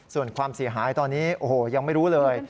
ส่วนความเสียหายตอนนี้โอ้โหยังไม่รู้เลย